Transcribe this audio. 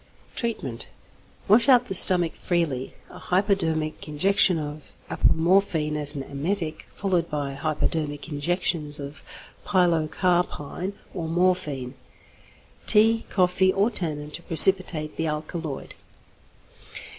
Treatment. Wash out the stomach freely; a hypodermic injection of apomorphine as an emetic, followed by hypodermic injections of pilocarpine or morphine. Tea, coffee, or tannin, to precipitate the alkaloid.